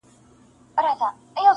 سړي وویل زما ومنه که ښه کړې-